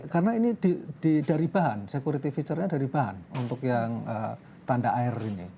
karena ini dari bahan security feature nya dari bahan untuk yang tanda air ini